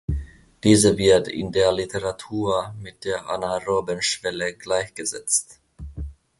Diese wird in der Literatur mit der Anaeroben Schwelle gleichgesetzt.